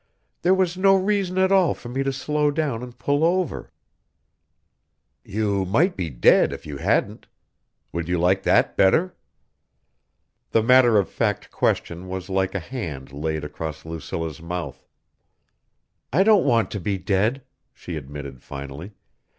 There was no reason at all for me to slow down and pull over." "You might be dead if you hadn't. Would you like that better?" The matter of fact question was like a hand laid across Lucilla's mouth. "I don't want to be dead," she admitted finally.